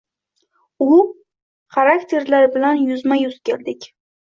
U xarakterlar bilan yuzma-yuz keldik.